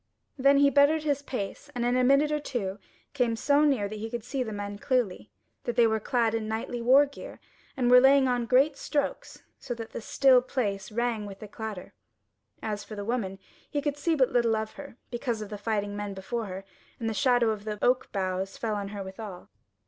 Then he bettered his pace, and in a minute or two came so near that he could see the men clearly, that they were clad in knightly war gear, and were laying on great strokes so that the still place rang with the clatter. As for the woman, he could see but little of her, because of the fighting men before her; and the shadow of the oak boughs fell on her withal.